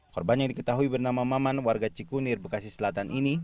korban yang diketahui bernama maman warga cikunir bekasi selatan ini